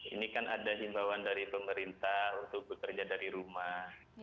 ini kan ada himbauan dari pemerintah untuk bekerja dari rumah